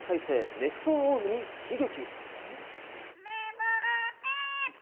熱唱オウムに悲劇。